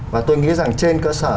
và tôi nghĩ rằng trên cơ sở